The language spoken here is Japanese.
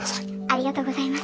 ありがとうございます。